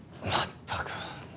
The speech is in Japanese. まったく。